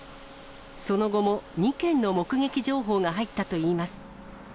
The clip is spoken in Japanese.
その後も２件の目撃情報が入ったといいます。